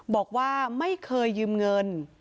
บอกว่าไม่เคยยืมเงิน